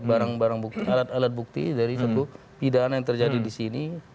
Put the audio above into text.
barang barang bukti alat alat bukti dari satu pidana yang terjadi di sini